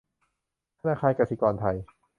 ธนาคารกสิกรไทย